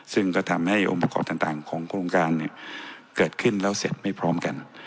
ซึ่งก็ทำให้องค์ประกอบต่างของโครงการเนี่ยเกิดขึ้นแล้วเสร็จไม่พร้อมกัน